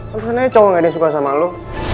alesannya cowok gak ada yang suka sama lo